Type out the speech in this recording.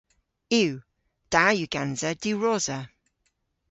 Yw. Da yw gansa diwrosa.